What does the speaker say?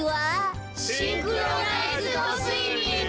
シンクロナイズドスイミング。